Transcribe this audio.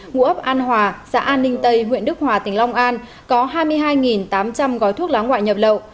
ngụ ấp an hòa xã an ninh tây huyện đức hòa tỉnh long an có hai mươi hai tám trăm linh gói thuốc lá ngoại nhập lậu